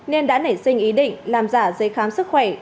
nên đã nảy sinh ý định làm giả giấy khám sức khỏe